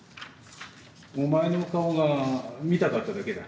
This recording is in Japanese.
お前の顔が見たかっただけだ。